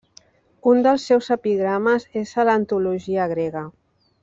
Un dels seus epigrames és a l'antologia grega.